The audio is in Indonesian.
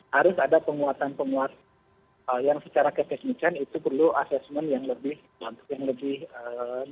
harus ada penguatan penguatan yang secara kesesmikan itu perlu assessment yang lebih baik